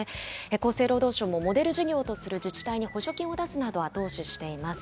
厚生労働省も、モデル事業とする自治体に補助金を出すなど後押ししています。